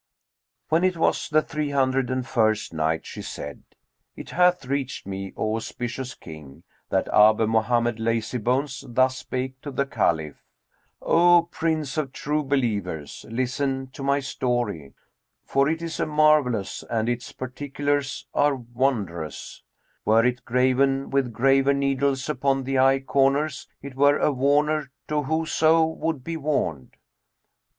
When it was the Three Hundred and First Night, She said, It hath reached me, O auspicious King, that Abu Mohammed Lazybones thus spake to the Caliph: "O Prince of True Believers, listen to my story, for it is a marvellous and its particulars are wondrous; were it graven with graver needles upon the eye corners it were a warner to whose would be warned."